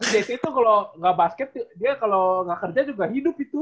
jesse tuh kalo gak basket dia kalo gak kerja juga hidup itu